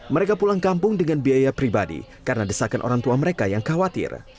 mereka pulang kampung dengan biaya pribadi karena desakan orang tua mereka yang khawatir